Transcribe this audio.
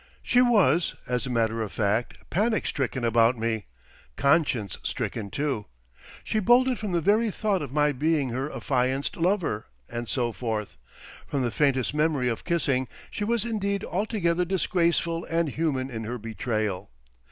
She was, as a matter of fact, panic stricken about me, conscience stricken too; she bolted from the very thought of my being her affianced lover and so forth, from the faintest memory of kissing; she was indeed altogether disgraceful and human in her betrayal.